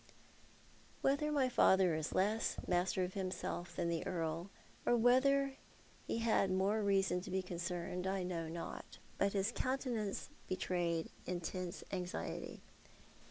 "Whether my father is less master of himself than the Earl, or whether he had more reason to be concerned, I know not, but his countenance betrayed intense anxiety.